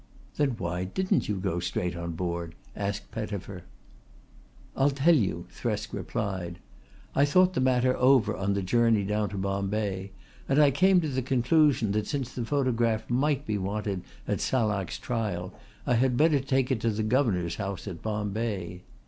"Then why didn't you go straight on board?" asked Pettifer. "I'll tell you," Thresk replied. "I thought the matter over on the journey down to Bombay, and I came to the conclusion that since the photograph might be wanted at Salak's trial I had better take it to the Governor's house at Bombay.